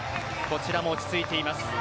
こちらも落ち着いています。